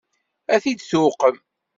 Ad t-id-tuqem?